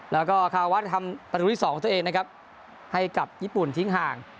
แล้วก็คาวัดทำประตูที่๒ตัวเองนะครับให้กับญี่ปุ่นทิ้งห่าง